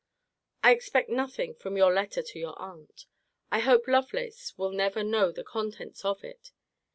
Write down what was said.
I expect nothing from your letter to your aunt. I hope Lovelace will never know the contents of it.